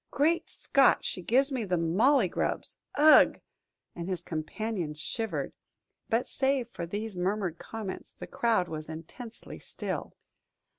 "Great Scott; she gives me the mauley grubs! Ugh!" and his companion shivered. But save for these murmured comments, the crowd was intensely still.